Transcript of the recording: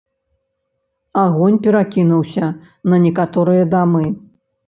Агонь перакінуўся на некаторыя дамы.